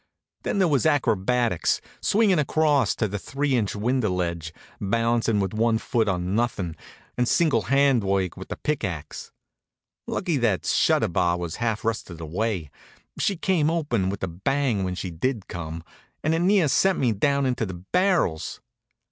Then there was acrobatics; swingin' across to that three inch window ledge, balancin' with one foot on nothing, and single hand work with the pick axe. Lucky that shutter bar was half rusted away. She came open with a bang when she did come, and it near sent me down into the barrels.